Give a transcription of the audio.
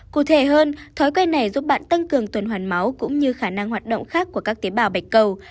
cụ thể hơn thói quen này giúp bạn tăng cường tuần hoàn máu cũng như khả năng hoạt động khác của các tế bào bạch cầu